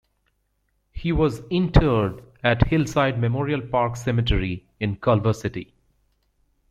He was interred at Hillside Memorial Park Cemetery in Culver City.